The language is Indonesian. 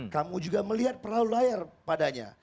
kamu juga melihat perahu layar padanya